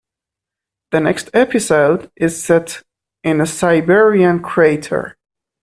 The next episode is set in a Siberian crater.